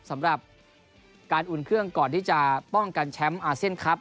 สำหรับการอุ่นเครื่องก่อนที่จะป้องกันแชมป์อาเซียนครับ